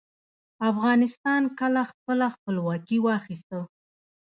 افغانستان کله خپله خپلواکي واخیسته؟